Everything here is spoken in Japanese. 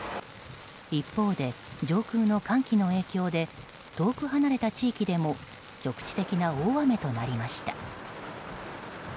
一方で上空の寒気の影響で遠く離れた地域でも局地的な大雨となりました。